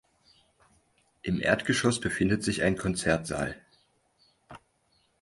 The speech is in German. Im Erdgeschoss befindet sich ein Konzertsaal.